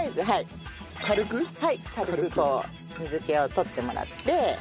はい軽くこう水気を取ってもらって。